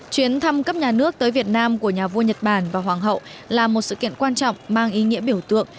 chuyến thăm cấp nhà nước tới việt nam của nhà vua nhật bản và hoàng hậu là một sự kiện quan trọng mang ý nghĩa biểu tượng